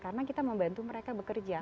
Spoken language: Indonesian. karena kita membantu mereka bekerja